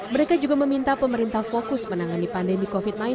mereka juga meminta pemerintah fokus menangani pandemi covid sembilan belas